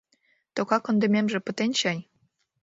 Тока кондымемже пытен чай.